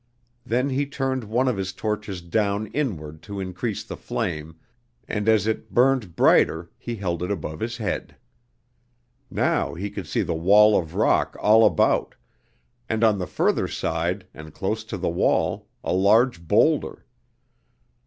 Then he turned one of his torches down inward to increase the flame, and as it burned brighter he held it above his head. Now he could see the wall of rock all about, and on the further side and close to the wall, a large boulder.